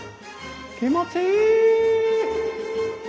気持ちいい！